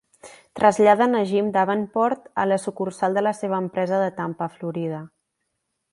Traslladen a Jim Davenport a la sucursal de la seva empresa de Tampa, Florida.